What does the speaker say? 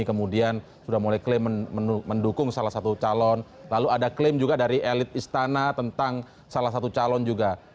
kemudian sudah mulai klaim mendukung salah satu calon lalu ada klaim juga dari elit istana tentang salah satu calon juga